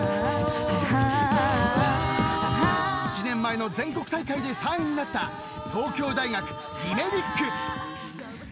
［１年前の全国大会で３位になった東京大学リメリック］